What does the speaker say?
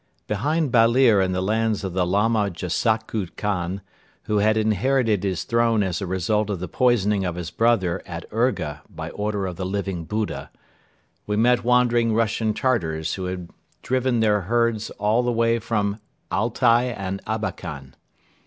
Behind Balir in the lands of the Lama Jassaktu Khan, who had inherited his throne as a result of the poisoning of his brother at Urga by order of the Living Buddha, we met wandering Russian Tartars who had driven their herds all the way from Altai and Abakan.